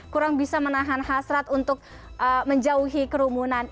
kurang bisa menahan hasrat untuk menjauhi kerumunan